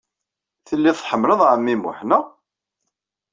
Telliḍ tḥemmleḍ ɛemmi Muḥ, naɣ?